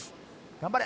頑張れ！